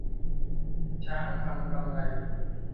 'ช้างพังกำไล'